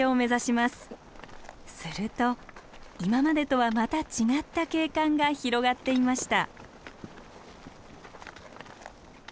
すると今までとはまた違った景観が広がっていました。